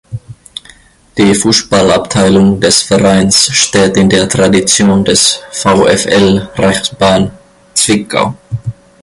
Die Fußballabteilung des Vereins steht in der Tradition des "VfL Reichsbahn Zwickau".